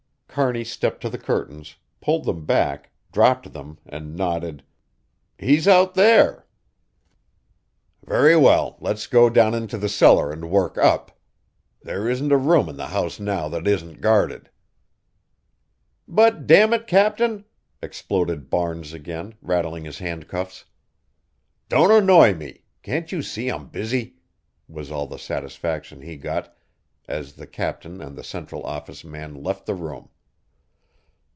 Kearney stepped to the curtains, pulled them back, dropped them, and nodded, "He's out there." "Very well, let's go down into the cellar and work up. There isn't a room in the house now that isn't guarded." "But, dammit, Captain," exploded Barnes again, rattling his handcuffs. "Don't annoy me can't you see I'm busy," was all the satisfaction he got as the captain and the Central Office man left the room.